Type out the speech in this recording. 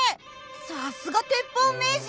さすが鉄砲名人！